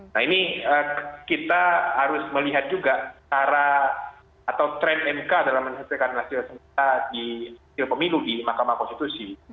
nah ini kita harus melihat juga cara atau tren mk dalam menyelesaikan hasil sengketa di pemilu di mahkamah konstitusi